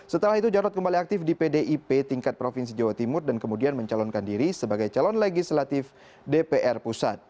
setelah itu jarod kembali aktif di pdip tingkat provinsi jawa timur dan kemudian mencalonkan diri sebagai calon legislatif dpr pusat